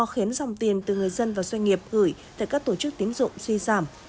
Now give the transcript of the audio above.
khiến dòng tiền từ người dân và doanh nghiệp gửi tại các tổ chức tiến dụng suy giảm